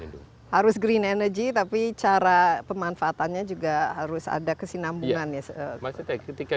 jadi harus green energy tapi cara pemanfaatannya juga harus ada kesinambungan ya